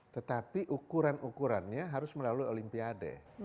tetapi ukuran ukurannya harus melalui olimpiade